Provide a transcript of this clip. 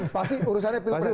pasti urusannya pilpres semua